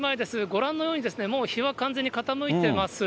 ご覧のように、もう日は完全に傾いてます。